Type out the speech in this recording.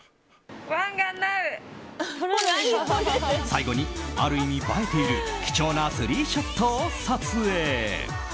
最後にある意味、映えている貴重なスリーショットを撮影。